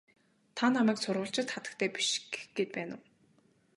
Та намайг сурвалжит хатагтай биш гэх гээд байна уу?